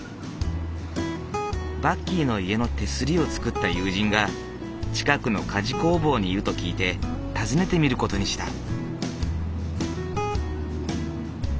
バッキーの家の手すりを作った友人が近くの鍛冶工房にいると聞いて訪ねてみる事にした。